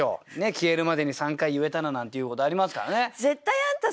消えるまでに３回言えたらなんていうことありますからね。